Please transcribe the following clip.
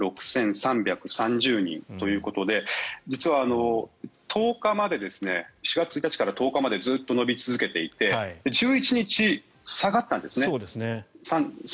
２万６３３０人ということで実は４月１日から１０日までずっと伸び続けていて１１日、下がったんですね。